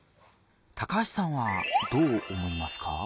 高橋さんはどう思いますか？